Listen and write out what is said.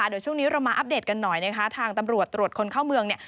เดี๋ยวช่วงนี้เรามาอัปเดตกันหน่อยนะคะทางตำรวจตรวจคนเข้าเมืองเนี่ย